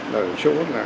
để chỗ là